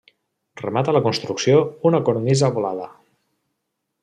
Remata la construcció una cornisa volada.